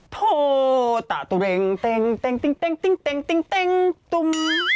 โทษตาตุริงติงติงตุ้ม